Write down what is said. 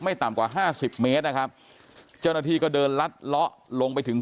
ไม่ต่ำกว่า๕๐เมตรนะครับเจ้านาทีก็เดินลัดละลงไปถึง